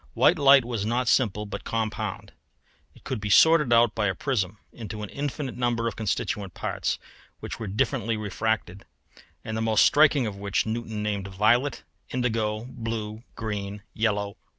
White light was not simple but compound. It could be sorted out by a prism into an infinite number of constituent parts which were differently refracted, and the most striking of which Newton named violet, indigo, blue, green, yellow, orange, and red.